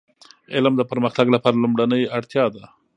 علم د پرمختګ لپاره لومړنی اړتیا ده.